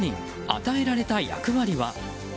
与えられた役割は。